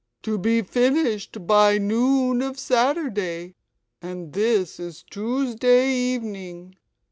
To be finished by noon of Saturday: and this is Tuesday evening.